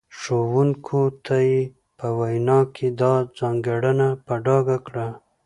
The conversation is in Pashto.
ښوونکو ته یې په وینا کې دا ځانګړنه په ډاګه کړه.